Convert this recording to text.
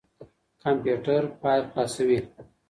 کمپيوټر فايل خلاصوي.